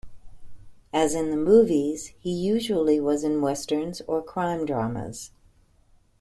As in the movies, he usually was in westerns or crime dramas.